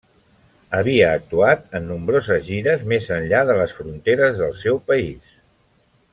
Havia actuat en nombroses gires més enllà de les fronteres del seu país.